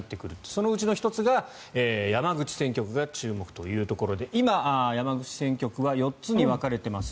そのうちの１つが山口選挙区が注目というところで今、山口選挙区は４つに分かれています。